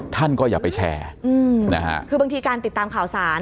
ท่านก็อย่าไปแชร์นะฮะคือบางทีการติดตามข่าวสาร